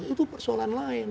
itu persoalan lain